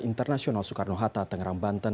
internasional soekarno hatta tangerang banten